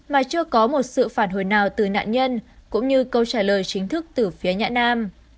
mà chưa có một sự phản hồi nào từ nạn nhân cũng như câu trả lời chính thức từ phía nhã nam